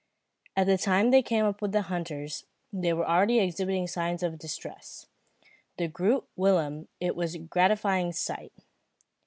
At the time they came up with the hunters, they were already exhibiting signs of distress. To Groot Willem it was a gratifying sight.